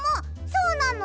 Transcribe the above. そうなの？